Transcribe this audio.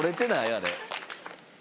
あれ。